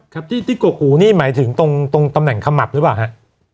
ครับที่กกหูนี่หมายถึงตรงตำแหน่งขมับหรือเปล่าฮะ